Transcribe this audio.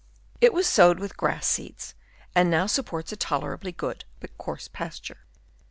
It was sowed with grass seeds, and now supports a tolerably good but coarse pasture.